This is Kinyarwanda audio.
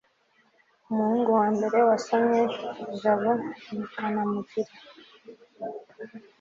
umuhungu wambere wasomye jabo ni kanamugire(ck